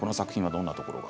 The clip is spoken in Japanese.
どんなところが？